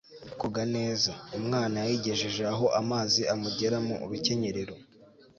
koga neza. umwana ayigejeje aho amazi amugera mu rukenyerero